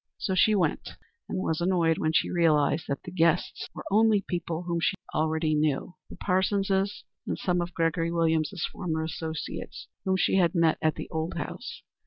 So she went, and was annoyed when she realized that the guests were only people whom she knew already the Parsonses, and some of Gregory Williams's former associates, whom she had met at the old house.